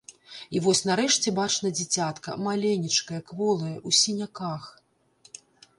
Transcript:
І вось нарэшце бачна дзіцятка — маленечкае, кволае, у сіняках.